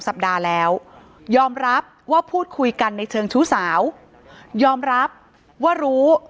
สัปดาห์แล้วยอมรับว่าพูดคุยกันในเชิงชู้สาวยอมรับว่ารู้